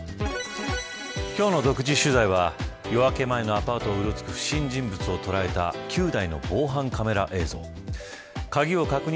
今日の独自取材は夜明け前のアパートをうろつく不審人物を捉えた９台の防犯カメラ映像。